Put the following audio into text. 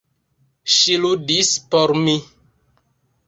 Ŝi ludis por mi!